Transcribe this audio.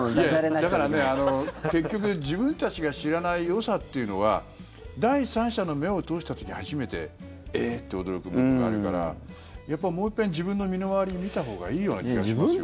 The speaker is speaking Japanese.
だから、結局自分たちが知らないよさというのは第三者の目を通した時初めてえっ！と驚くことがあるからもう一遍自分の身の回り見たほうがいいような気がしますよ。